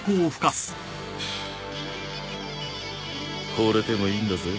ほれてもいいんだぜ。